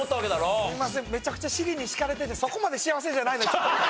めちゃくちゃ尻に敷かれててそこまで幸せじゃないのにちょっと。